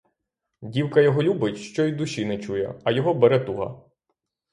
Дівка його любить, що й душі не чує, а його бере туга!